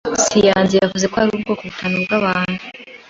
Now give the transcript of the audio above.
Siyanse yavumbuye ko hari ubwoko butanu bwabantu.